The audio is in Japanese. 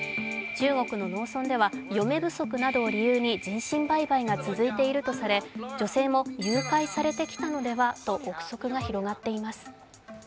中国の農村では嫁不足などを理由に人身売買が続いているとされ、女性も誘拐されてきたのではと臆測が広がっています。